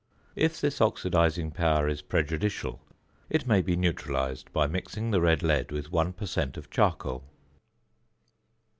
If this oxidising power is prejudicial, it may be neutralised by mixing the red lead with 1 per cent. of charcoal.